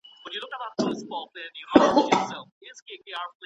که کثافات په سیند کي ونه غورځول سي، نو د سیند اوبه نه ککړیږي.